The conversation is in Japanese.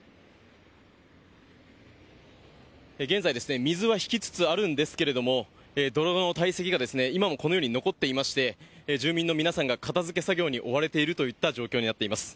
現在、水は引きつつあるんですけれども、泥の堆積が今もこのように残っていまして、住民の皆さんが片づけ作業に追われているといった状況になっています。